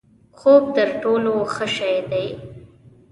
خوب تر ټولو ښه شی دی؛